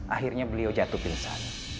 akhirnya beliau jatuh pingsan